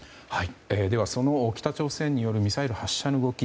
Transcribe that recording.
では、その北朝鮮によるミサイル発射の動き